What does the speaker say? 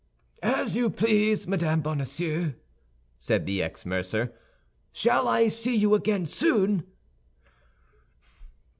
"As you please, Madame Bonacieux," said the ex mercer. "Shall I see you again soon?"